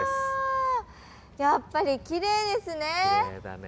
やっぱりきれいですね。